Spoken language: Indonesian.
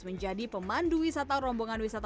menjadi pemandu wisata rombongan wisata